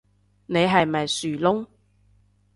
你係咪樹窿